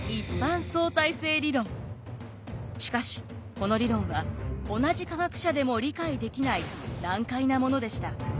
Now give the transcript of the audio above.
しかしこの理論は同じ科学者でも理解できない難解なものでした。